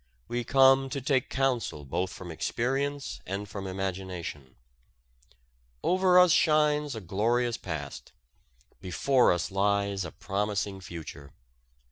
We come to take counsel both from experience and from imagination. Over us shines a glorious past, before us lies a promising future.